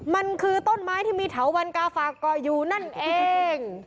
มันคือต้นไม้ที่มีเถาวันกาฝากก่ออยู่นั่นเอง